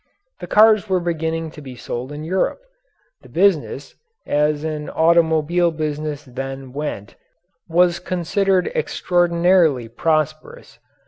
The cars were beginning to be sold in Europe. The business, as an automobile business then went, was considered extraordinarily prosperous.